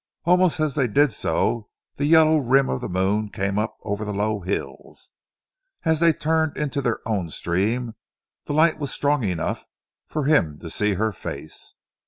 Almost as they did so, the yellow rim of the moon came up over the low hills. As they turned into their own stream, the light was strong enough for him to see her face.